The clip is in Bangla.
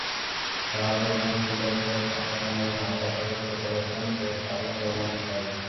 ডাচ অধিনায়ক পিটার বোরেন সংবাদ সম্মেলনে হতাশা ব্যক্ত করেছেন বেশ আবেগপ্রবণই হয়েই।